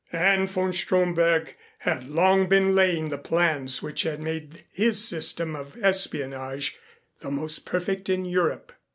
And von Stromberg had long been laying the plans which had made his system of espionage the most perfect in Europe.